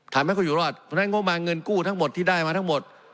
ทำให้เขาอยู่รอดเพราะฉะนั้นงบมาเงินกู้ทั้งหมดที่ได้มาทั้งหมด